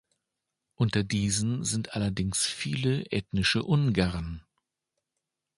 Unter diesen sind allerdings viele ethnische Ungarn.